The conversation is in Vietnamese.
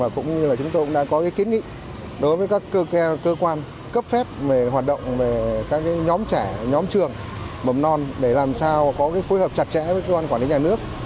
cũng như chúng tôi đã có kiến nghị đối với các cơ quan cấp phép hoạt động các nhóm trường bấm non để làm sao có phối hợp chặt chẽ với cơ quan quản lý nhà nước